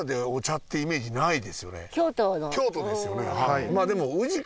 京都ですよね。